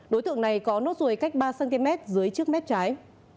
đối tượng này có nốt ruồi cách ba cm dưới trước mép trái